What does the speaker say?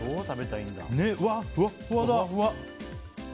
ふわふわだ！